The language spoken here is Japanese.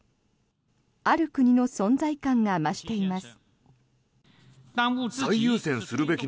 ある国の存在感が増しています。